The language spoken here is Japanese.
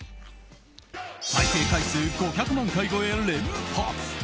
再生回数５００万回超え連発！